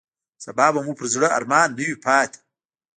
سبا به مو پر زړه ارمان نه وي پاتې.